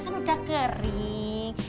kan udah kering